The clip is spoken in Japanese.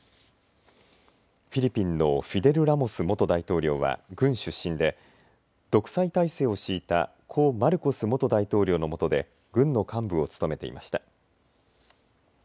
フィリピンのフィデル・ラモス元大統領は軍出身で独裁体制を敷いた故マルコス大統領のもとで軍の幹部を務めていました。